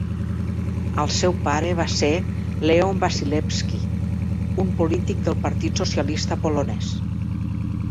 El seu pare va ser Leon Wasilewski, un polític del partit socialista polonès.